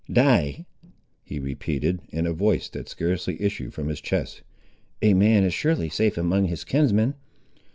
"Die!" he repeated, in a voice that scarcely issued from his chest; "a man is surely safe among his kinsmen!"